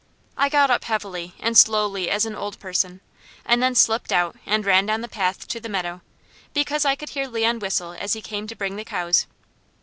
I got up heavily and slowly as an old person, and then slipped out and ran down the path to the meadow, because I could hear Leon whistle as he came to bring the cows.